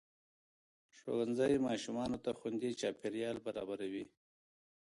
ښوونځی ماشومانو ته خوندي چاپېریال برابروي